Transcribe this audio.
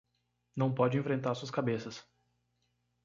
Não pode enfrentar suas cabeças